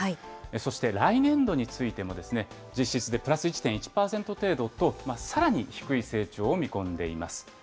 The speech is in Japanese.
そして来年度についても、実質でプラス１．１％程度と、さらに低い成長を見込んでいます。